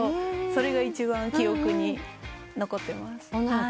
それが一番記憶に残ってます。